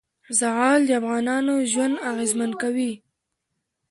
زغال د افغانانو ژوند اغېزمن کوي.